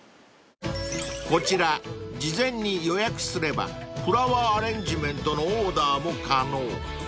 ［こちら事前に予約すればフラワーアレンジメントのオーダーも可能］